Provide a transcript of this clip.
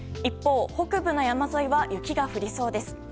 一方、北部の山沿いは雪が降りそうです。